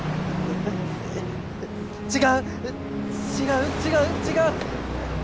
違う違う違う違う！